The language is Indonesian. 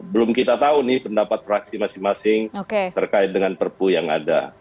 belum kita tahu nih pendapat fraksi masing masing terkait dengan perpu yang ada